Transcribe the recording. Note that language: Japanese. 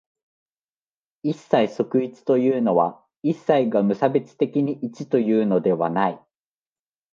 一切即一というのは、一切が無差別的に一というのではない。